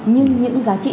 nhưng những giá trị